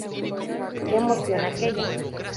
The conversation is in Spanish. Que emoción aquella!!